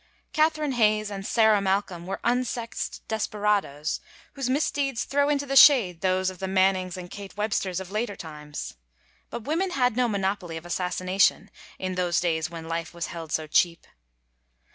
Catherine Hayes and Sarah Malcolm were unsexed desperadoes, whose misdeeds throw into the shade those of the Mannings and Kate Websters of later times. But women had no monopoly of assassination, in those days when life was held so cheap.